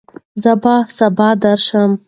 زه به سبا درته راشم.